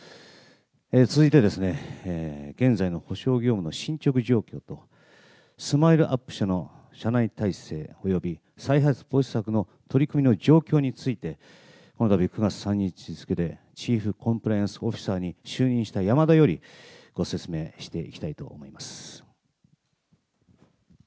続いてですね、現在の補償業務の進捗状況と、ＳＭＩＬＥーＵＰ．社の社内体制および再発防止策の取り組みの状況について、このたび９月３０日付でチーフコンプライアンスオフィサーに就任した山田より、ご説明していきたいと思います。